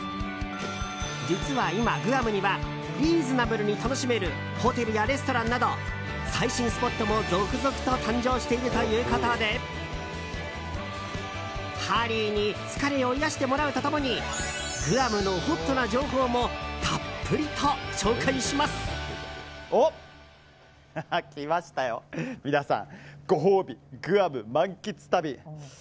実は今、グアムにはリーズナブルに楽しめるホテルやレストランなど最新スポットも続々と誕生しているということでハリーに疲れを癒やしてもらうと共にグアムのホットな情報もたっぷりと紹介します。来ましたよ、皆さん。